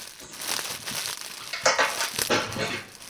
They eventually settled in Oklahoma Territory during the Land Run.